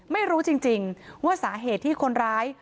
ไม่รู้จริงว่าสาเหตุที่คนร้าย